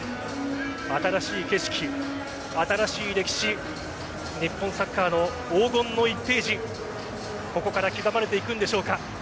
新しい景色新しい歴史日本サッカーの黄金の１ページここから刻まれていくんでしょうか。